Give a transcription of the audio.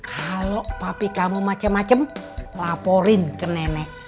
kalau papi kamu macem macem laporin ke nenek